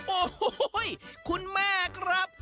โอ้โห้เฮ้ยคุณแม่ครับ